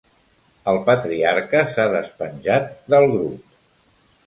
El patriarca s'ha despenjat del grup.